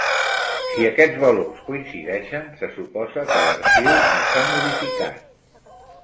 Si aquests valors coincideixen se suposa que l'arxiu no s'ha modificat.